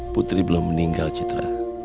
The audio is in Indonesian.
putri belum meninggal citra